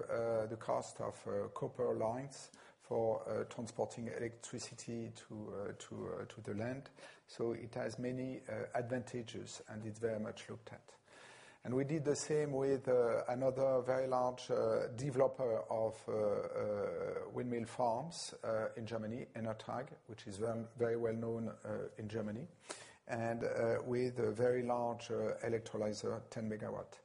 Speaker 2: the cost of copper lines for transporting electricity to the land. It has many advantages, and it's very much looked at. We did the same with another very large developer of windmill farms in Germany, ENERTRAG, which is very well known in Germany, and with a very large electrolyzer, 10 megawatt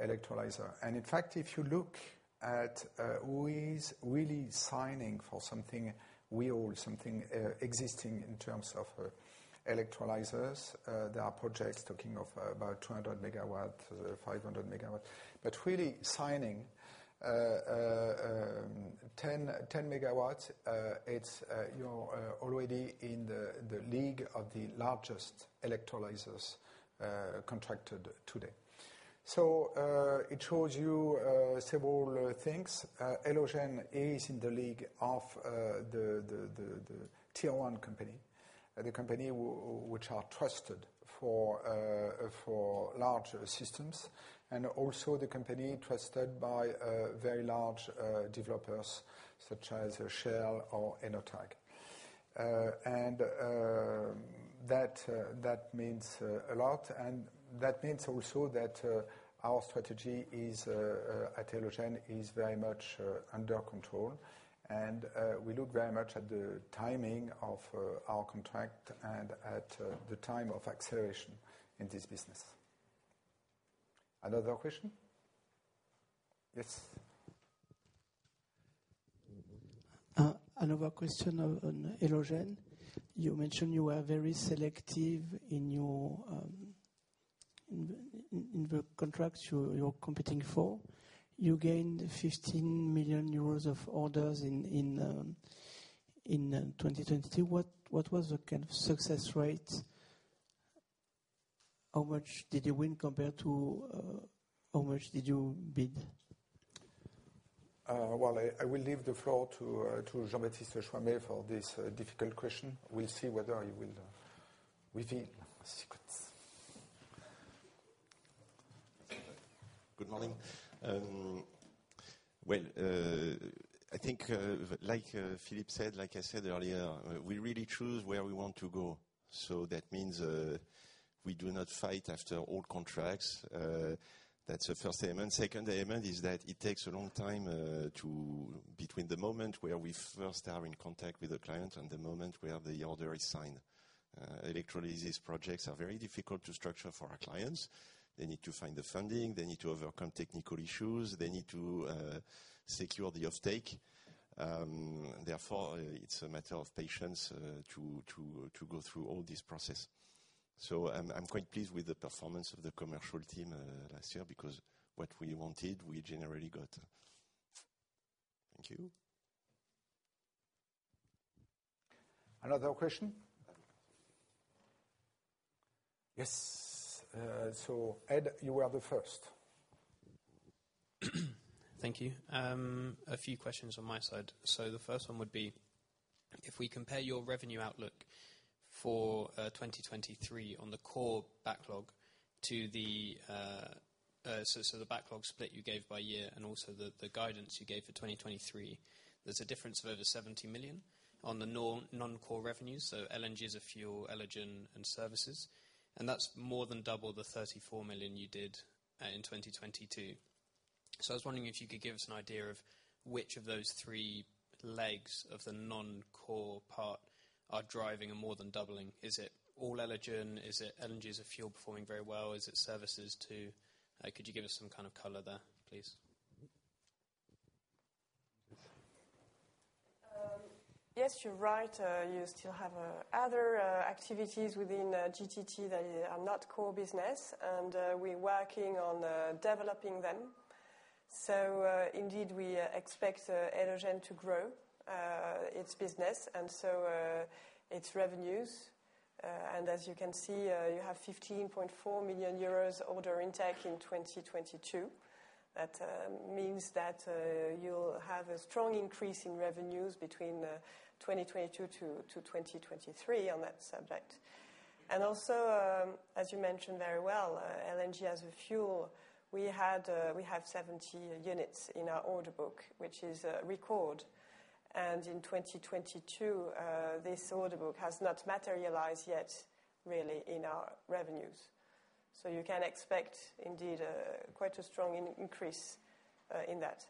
Speaker 2: electrolyzer. In fact, if you look at who is really signing for something we or something existing in terms of electrolyzers, there are projects talking about 200 megawatt, 500 megawatt. Really signing 10 megawatts, it's, you know, already in the league of the largest electrolyzers contracted today. It shows you several things. Elogen is in the league of the tier one company, the company which are trusted for large systems, and also the company trusted by very large developers such as Shell or ENERTRAG. That means a lot. That means also that our strategy is at Elogen is very much under control. We look very much at the timing of our contract and at the time of acceleration in this business. Another question? Yes.
Speaker 9: Another question on Elogen. You mentioned you are very selective in your contracts you're competing for. You gained 15 million euros of orders in 2022. What was the kind of success rate? How much did you win compared to how much did you bid?
Speaker 2: I will leave the floor to Jean-Baptiste Choimet for this difficult question. We'll see whether he will reveal secrets.
Speaker 5: Good morning. Well, I think, like Philippe said, like I said earlier, we really choose where we want to go. That means, we do not fight after all contracts. That's the first element. Second element is that it takes a long time between the moment where we first are in contact with the client and the moment where the order is signed. Electrolysis projects are very difficult to structure for our clients. They need to find the funding. They need to overcome technical issues. They need to secure the offtake. Therefore, it's a matter of patience to go through all this process. I'm quite pleased with the performance of the commercial team last year, because what we wanted, we generally got. Thank you.
Speaker 2: Another question? Yes. Ed, you are the first.
Speaker 10: Thank you. A few questions on my side. The first one would be, if we compare your revenue outlook for 2023 on the core backlog to the backlog split you gave by year and also the guidance you gave for 2023, there's a difference of over 70 million on the non-core revenues, so LNG as a fuel, Elogen and services. That's more than double the 34 million you did in 2022. I was wondering if you could give us an idea of which of those three legs of the non-core part are driving a more than doubling. Is it all Elogen? Is it LNG as a fuel performing very well? Is it services too? Could you give us some kind of color there, please?
Speaker 6: Yes, you're right. You still have other activities within GTT that are not core business, and we're working on developing them. Indeed, we expect Elogen to grow its business and its revenues. As you can see, you have 15.4 million euros order intake in 2022. That means that you'll have a strong increase in revenues between 2022 to 2023 on that subject. Also, as you mentioned very well, LNG as a fuel, we had, we have 70 units in our order book, which is a record. In 2022, this order book has not materialized yet really in our revenues. You can expect indeed quite a strong increase in that.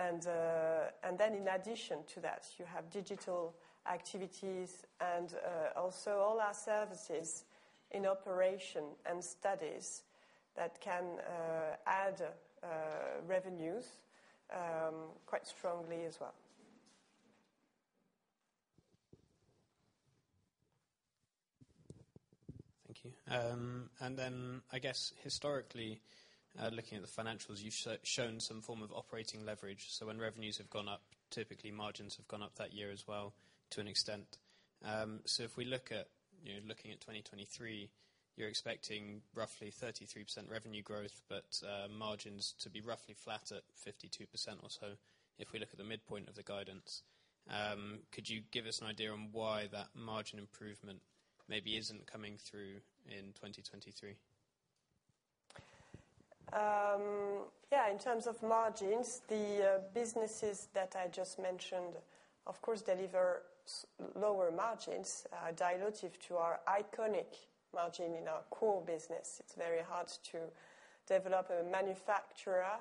Speaker 6: In addition to that, you have digital activities and, also all our services in operation and studies that can, add, revenues, quite strongly as well.
Speaker 10: Thank you. I guess historically, looking at the financials, you've shown some form of operating leverage. When revenues have gone up, typically margins have gone up that year as well to an extent. If we look at, you know, looking at 2023, you're expecting roughly 33% revenue growth, margins to be roughly flat at 52% or so, if we look at the midpoint of the guidance. Could you give us an idea on why that margin improvement maybe isn't coming through in 2023?
Speaker 6: In terms of margins, the businesses that I just mentioned, of course, deliver lower margins, dilutive to our iconic margin in our core business. It's very hard to develop a manufacturer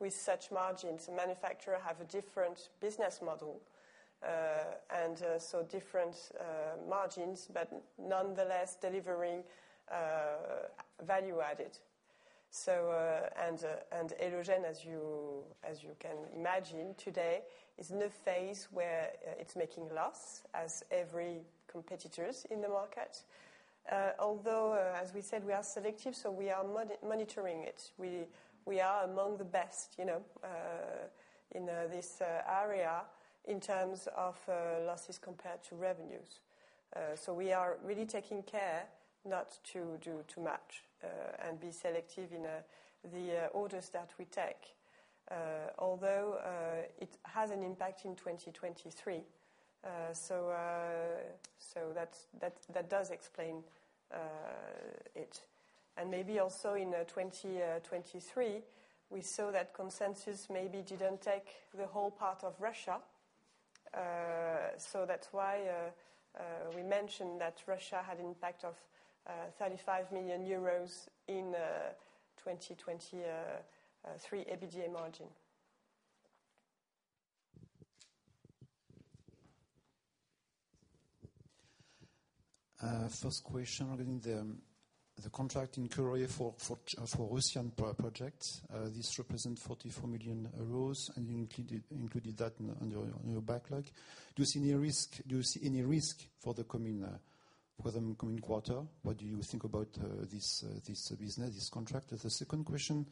Speaker 6: with such margins. Manufacturers have a different business model, and so different margins, but nonetheless delivering value added. Elogen, as you can imagine today, is in a phase where it's making loss as every competitors in the market. Although, as we said, we are selective, so we are monitoring it. We are among the best, you know, in this area in terms of losses compared to revenues. We are really taking care not to do too much and be selective in the orders that we take. Although it has an impact in 2023, so that does explain it. Maybe also in 2023, we saw that consensus maybe didn't take the whole part of Russia. That's why we mentioned that Russia had impact of 35 million euros in 2023 EBITDA margin.
Speaker 11: First question regarding the contract in Korea for ocean power project. This represent 44 million euros, you included that on your backlog. Do you see any risk for the coming quarter? What do you think about this business, this contract? The second question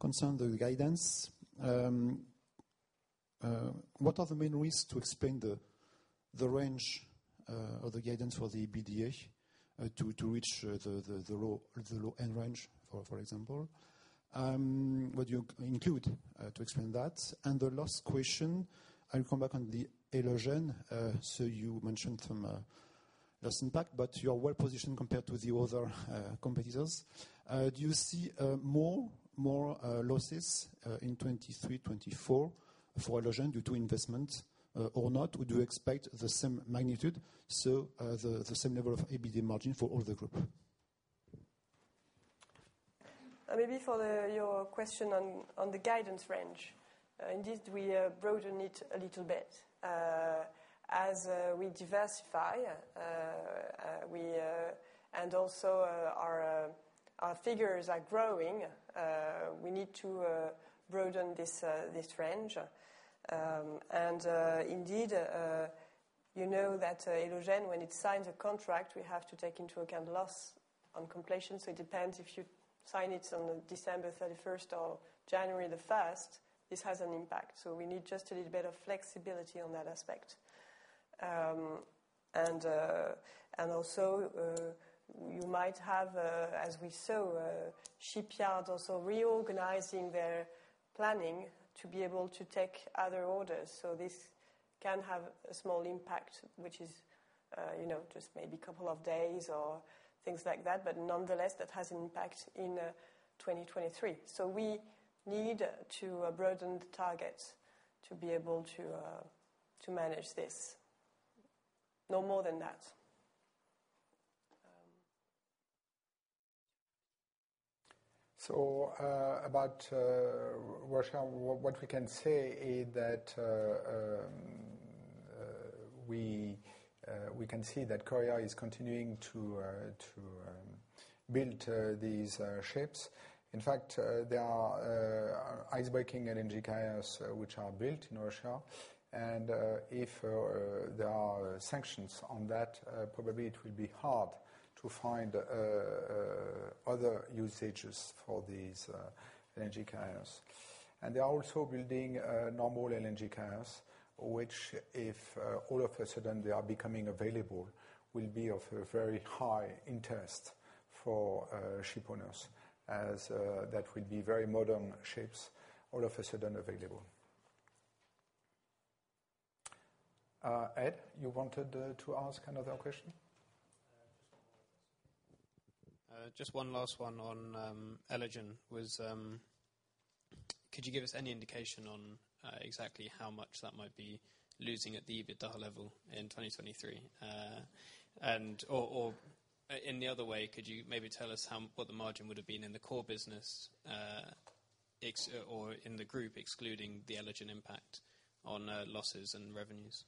Speaker 11: concern the guidance. What are the main risks to explain the range or the guidance for the EBITDA to reach the low end range, for example? What do you include to explain that? The last question, I'll come back on the Elogen. You mentioned some....
Speaker 2: does impact, but you are well positioned compared to the other competitors. Do you see more losses in 2023, 2024 for Elogen due to investment or not? Would you expect the same magnitude, so the same level of EBITDA margin for all the group?
Speaker 6: Maybe for your question on the guidance range. Indeed, we broaden it a little bit. As we diversify, also, our figures are growing, we need to broaden this range. Indeed, you know that Elogen, when it signs a contract, we have to take into account loss on completion. It depends if you sign it on December 31st or January 1st, this has an impact, so we need just a little bit of flexibility on that aspect. You might have, as we saw, shipyards also reorganizing their planning to be able to take other orders. This can have a small impact, which is, you know, just maybe couple of days or things like that. Nonetheless, that has an impact in, 2023. We need to broaden the target to be able to manage this. No more than that.
Speaker 2: About Russia, what we can say is that we can see that Korea is continuing to build these ships. In fact, there are ice-breaking LNG carriers which are built in Russia. If there are sanctions on that, probably it will be hard to find other usages for these LNG carriers. They are also building normal LNG carriers, which if all of a sudden they are becoming available, will be of a very high interest for ship owners, as that would be very modern ships all of a sudden available. Ed, you wanted to ask another question?
Speaker 10: Just one last one on Elogen was, could you give us any indication on exactly how much that might be losing at the EBITDA level in 2023? Or, in the other way, could you maybe tell us how, what the margin would have been in the core business or in the group excluding the Elogen impact on losses and revenues?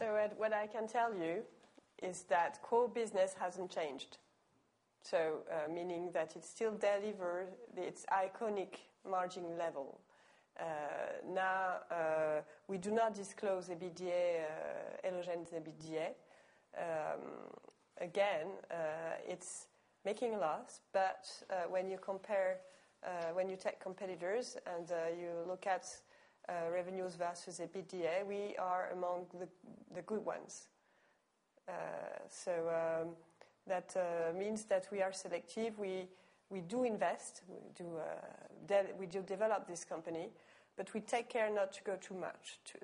Speaker 6: Ed, what I can tell you is that core business hasn't changed, meaning that it still deliver its iconic margin level. Now, we do not disclose EBITDA, Elogen's EBITDA. Again, it's making a loss, but when you compare, when you take competitors and you look at revenues versus EBITDA, we are among the good ones. That means that we are selective. We do invest, we do develop this company, but we take care not to go too much to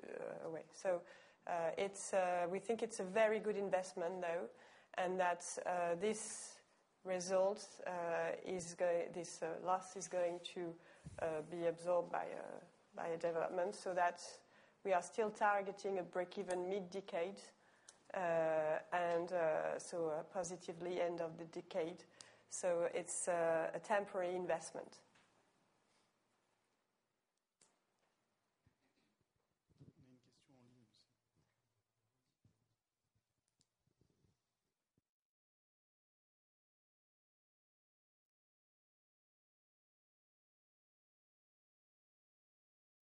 Speaker 6: away. It's we think it's a very good investment, though, and that this result, this loss is going to be absorbed by a development, so that we are still targeting a break-even mid-decade. A positively end of the decade. It's a temporary investment.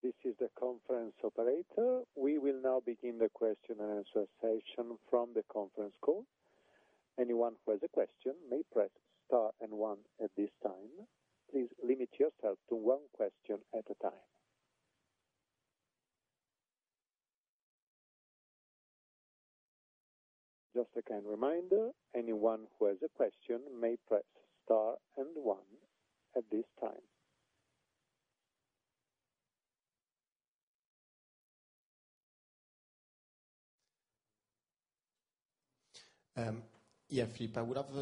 Speaker 2: There's a question online also.
Speaker 1: This is the conference operator. We will now begin the question and answer session from the conference call. Anyone who has a question may press star and one at this time. Please limit yourself to one question at a time. Just a kind reminder, anyone who has a question may press star and one at this time.
Speaker 8: Yeah, Philippe, I would have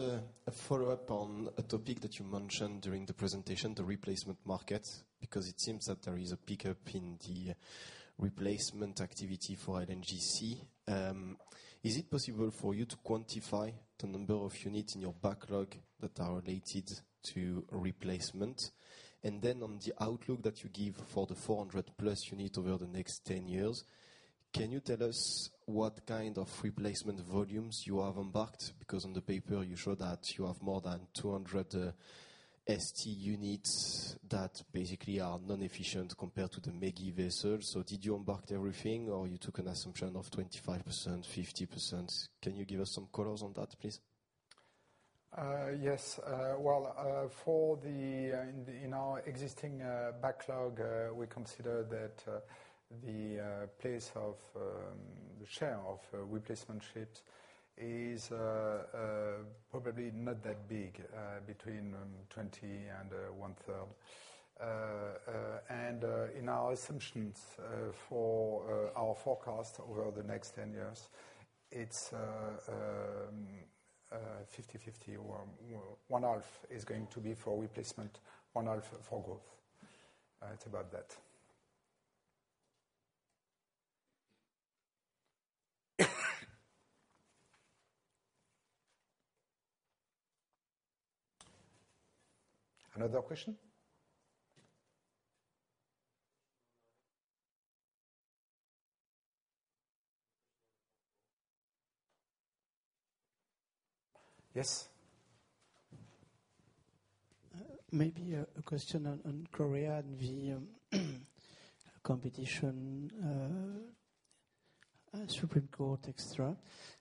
Speaker 8: a follow-up on a topic that you mentioned during the presentation, the replacement market, because it seems that there is a pickup in the replacement activity for LNGC. Is it possible for you to quantify the number of units in your backlog that are related to replacement? On the outlook that you give for the 400+ units over the next 10 years, can you tell us what kind of replacement volumes you have embarked? On the paper you show that you have more than 200 ST units that basically are non-efficient compared to the ME-GI vess els. Did you embark everything or you took an assumption of 25%, 50%? Can you give us some colors on that, please?
Speaker 2: Yes. Well, for the, in our existing backlog, we consider that the place of the share of replacement shipsIs probably not that big, between 20 and one-third. In our assumptions for our forecast over the next 10 years, it's 50/50, or one-half is going to be for replacement, one-half for growth. It's about that. Another question? Yes.
Speaker 11: Maybe a question on Korea and the competition. Supreme Court, et cetera.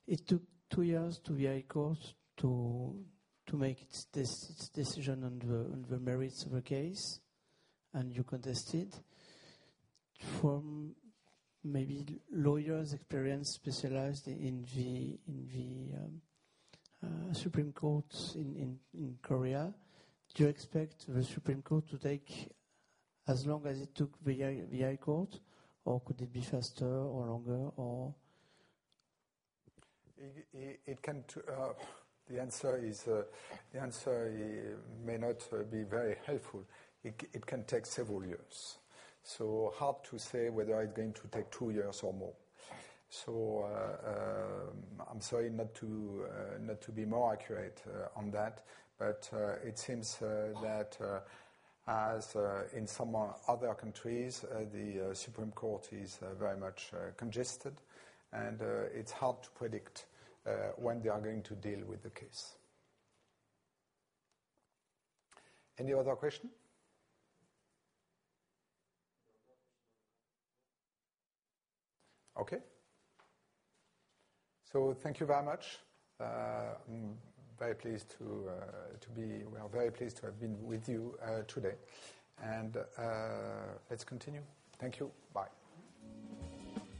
Speaker 11: It took 2 years to the high court to make its decision on the merits of the case, and you contested. From maybe lawyer's experience specialized in the Supreme Courts in Korea, do you expect the Supreme Court to take as long as it took the high court? Or could it be faster or longer?
Speaker 2: It can take several years, so hard to say whether it's going to take 2 years or more. I'm sorry not to be more accurate on that, but it seems that as in some other countries, the Supreme Court is very much congested, and it's hard to predict when they are going to deal with the case. Any other question? Okay. Thank you very much. I'm very pleased to be... We are very pleased to have been with you today, and let's continue. Thank you. Bye.